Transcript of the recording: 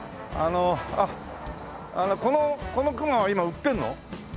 あっこのクマは今売ってるの？